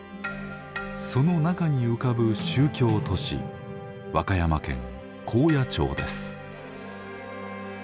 その中に浮かぶ宗教都市和歌山県高野町です。